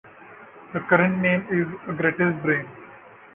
The current name is a greatest brain.